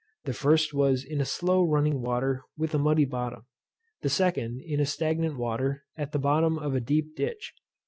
The first was in a slow running water with a muddy bottom. The second in a stagnant water at the bottom of a deep ditch.